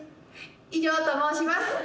以上と申します。